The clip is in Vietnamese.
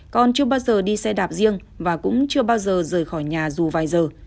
còn chưa bao giờ đi xe đạp riêng và cũng chưa bao giờ rời khỏi nhà dù vài giờ